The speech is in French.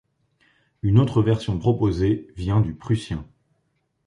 Une autre version proposée vient du prussien.